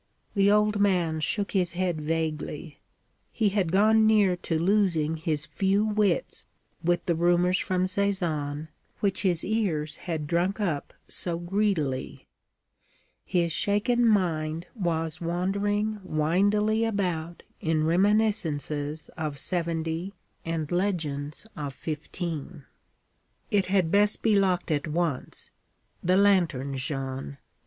The old man shook his head vaguely. He had gone near to losing his few wits with the rumors from Sézanne which his ears had drunk up so greedily. His shaken mind was wandering windily about in reminiscences of '70 and legends of '15. 'It had best be locked at once. The lantern, Jeanne.